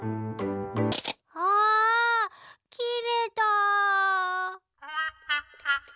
あきれた！